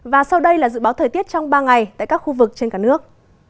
và sau đây là dự báo thời tiết trong ba ngày tại các khu vực trên cả nước